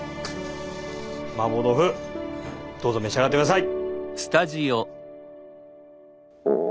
マーボー豆腐どうぞ召し上がって下さい。